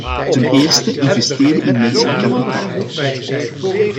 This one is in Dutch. Ten eerste, investeren in menselijk kapitaal.